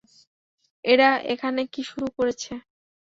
এরা এখানে কি শুরু করেছে?